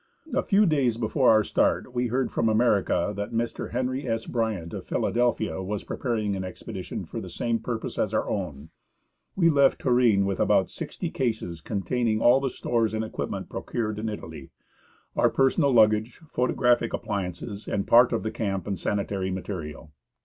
A few days before our start, we heard from America that Mr. Henry S. Bryant, of Philadelphia, was preparing an expedition for the same purpose as our own. We left Turin with about sixty cases containing all the stores and equipment procured in Italy, our personal luggage, photographic appliances, and part of caitain's bridge ok the " lucania. From a Photo bv H.R.H.) the camp and sanitary material.